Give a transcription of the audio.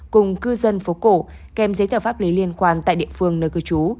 cùng cư dân phố cổ kèm giấy tờ pháp lý liên quan tại địa phương nơi cư trú